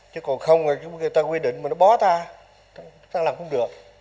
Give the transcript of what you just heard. chứ còn không người ta quy định mà nó bó ta làm không được